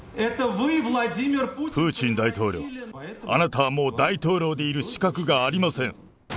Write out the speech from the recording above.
プーチン大統領、あなたはもう大統領でいる資格がありません。